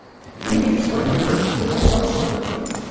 তিনি British ornithologists ইউনিয়নের সদস্যপদ লাভ করেন।